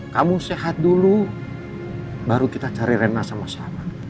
kamu sehat dulu baru kita cari rena sama siapa